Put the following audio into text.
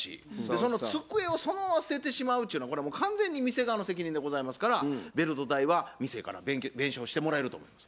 その机をそのまま捨ててしまうっちゅうのはこれはもう完全に店側の責任でございますからベルト代は店から弁償してもらえると思います。